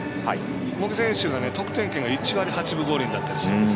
茂木選手は得点圏が１割８分５厘だったりします。